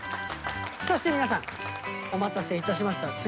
そして皆さんお待たせいたしました。